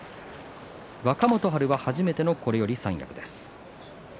若元春は初めてのこれより三役です。